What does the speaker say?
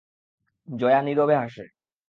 জয়া নীরবে হাসে।